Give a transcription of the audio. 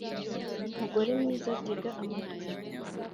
umugore mwiza Tega amatwi